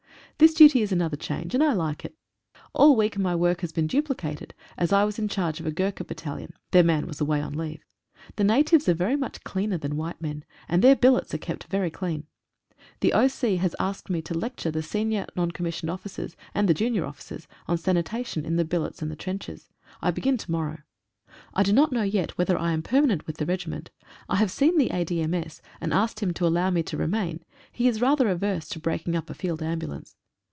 This duty is another change, and I like it. All week my work has been duplicated, as I was in charge of a Gurkha battalion — their man was away on leave. The natives are very much cleaner than white men, and their billets are kept very clean. The O.C. has asked me to lecture the senior N.C.O.'s and the junior officers on sanitation in the billets and the trenches. I begin to morrow. I do not know yet whether I am permanent with the regi ment. I have seen the A.D.M.S., and asked him to allow me to remain — he is rather averse to breaking up a field ambulance.